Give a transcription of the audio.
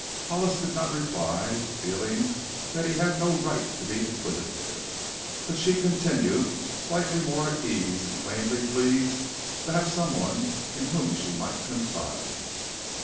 Hollis did not reply, feeling that he had no right to be inquisitive. But she continued, slightly more at ease and plainly pleased to have some one in whom she might confide.